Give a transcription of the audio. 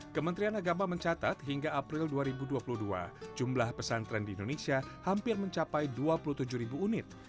kementerian agama mencatat hingga april dua ribu dua puluh dua jumlah pesantren di indonesia hampir mencapai dua puluh tujuh ribu unit